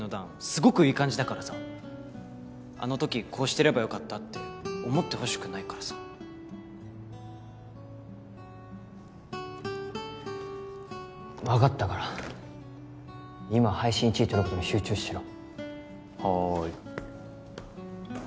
すごくイイ感じだからさあの時こうしてればよかったって思ってほしくないからさ分かったから今配信１位とることに集中しろはい